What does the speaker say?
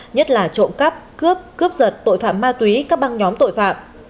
nhất là trộm cắp cướp cướp giật tội phạm ma túy các băng nhóm tội phạm